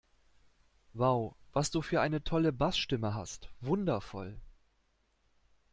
Wow, was du für eine tolle Bassstimme hast! Wundervoll!